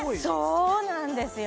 そうなんですよ